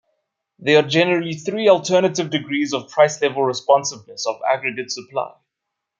There are generally three alternative degrees of price-level responsiveness of aggregate supply.